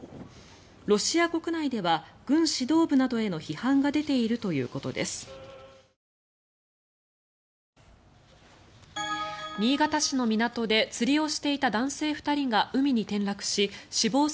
ロシア国内では軍指導部などへの批判が出ているということです。